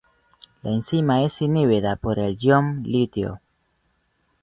La enzima es inhibida por el ion Li.